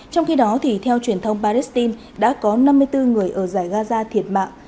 trong khi đó theo truyền thông palestine đã có năm mươi bốn người ở giải gaza thiệt mạng